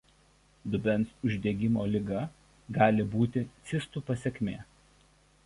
Dubens uždegimo liga gali būti cistų pasekmė.